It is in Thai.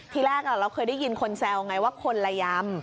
ทีแรกเราเคยได้ยินคนแซวไงว่าคนละยำ